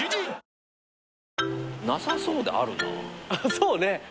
そうね。